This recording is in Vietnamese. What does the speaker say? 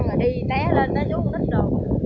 rồi đi té lên nó rút một ít đồ